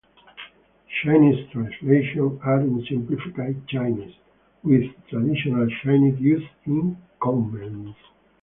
Chinese translations are in simplified Chinese, with traditional Chinese used in comments.